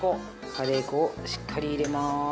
カレー粉をしっかり入れます。